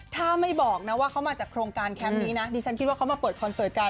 ถ้าไม่บอกนะว่าเขามาจากโครงการแคมป์นี้นะดิฉันคิดว่าเขามาเปิดคอนเสิร์ตกัน